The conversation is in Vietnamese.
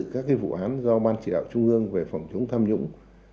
các vụ án do ban chỉ đạo trung ương về phòng chống tham nhũng